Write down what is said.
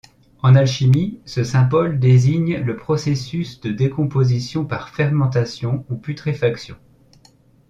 En alchimie, ce symbole désigne le processus de décomposition par fermentation ou putréfaction.